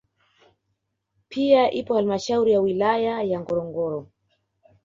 Pia ipo halmashauri ya wilaya ya Ngorongoro